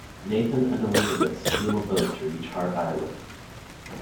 Nathan and Elisabeth steal a boat to reach Hart Island.